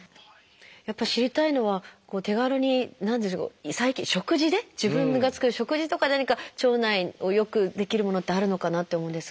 やっぱり知りたいのは手軽に食事で自分が作る食事とかで何か腸内を良くできるものってあるのかなって思うんですが。